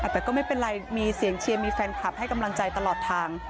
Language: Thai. แต่ก็ไม่เป็นไรมีเสียงเชียร์มีแฟนคลับให้กำลังใจตลอดทาง